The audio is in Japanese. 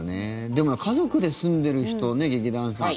でも家族で住んでる人劇団さん